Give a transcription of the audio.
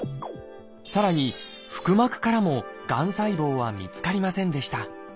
さらに腹膜からもがん細胞は見つかりませんでした。